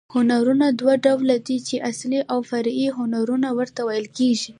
هنرونه دوه ډول دي، چي اصلي او فرعي هنرونه ورته ویل کېږي.